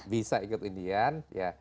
bisa ikut undian ya